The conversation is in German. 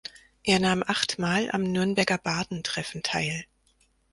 Er nahm achtmal am Nürnberger Bardentreffen teil.